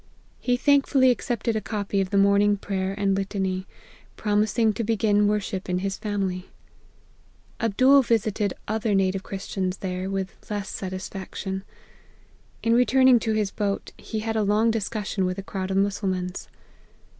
He thankful ly accepted a copy of the morning prayer and litany, promising to begin worship in his family. Abdool visited other native Christians there, with less satisfaction. In returning to his boat, he had a long discussion with a crowd of Mussulmans.